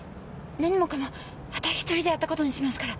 何もかも私１人でやったことにしますから。